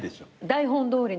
台本どおりの。